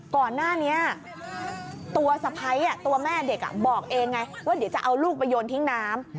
ก่อนหน้านี้ตัวสะพ้ายตัวแม่เด็กบอกเองไงว่าเดี๋ยวจะเอาลูกไปโยนทิ้งน้ำ